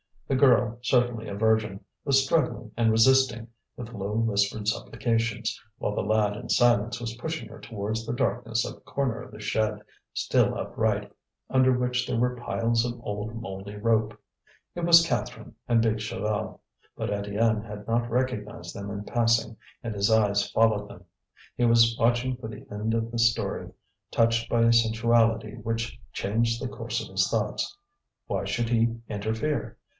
The girl, certainly a virgin, was struggling and resisting with low whispered supplications, while the lad in silence was pushing her towards the darkness of a corner of the shed, still upright, under which there were piles of old mouldy rope. It was Catherine and big Chaval. But Étienne had not recognized them in passing, and his eyes followed them; he was watching for the end of the story, touched by a sensuality which changed the course of his thoughts. Why should he interfere?